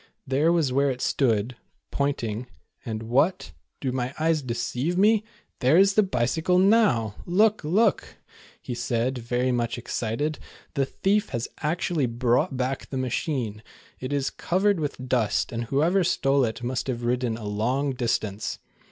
There was where it stood [pointing], and what? Do my eyes deceive me? TJiere is the bicycle, noiu !! Look, look," he said, very much excited, "the thief has actually brought back the machine. It is covered with dust, and whoever stole it must have ridden a long distance."